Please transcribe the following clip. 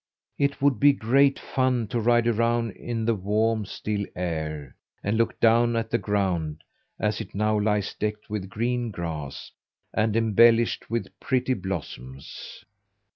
It would be great fun to ride around in the warm, still air, and look down at the ground, as it now lies decked with green grass, and embellished with pretty blossoms."